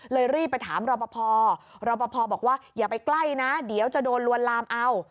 รีบไปถามรอปภรอปภบอกว่าอย่าไปใกล้นะเดี๋ยวจะโดนลวนลามเอา